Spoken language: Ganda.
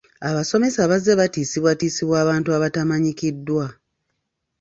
Abasomesa bazze batiisibwatiisibwa abantu abatamanyikiddwa.